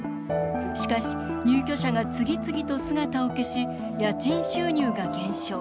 しかし、入居者が次々と姿を消し家賃収入が減少。